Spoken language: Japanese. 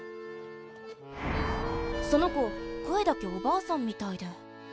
その子声だけおばあさんみたいで。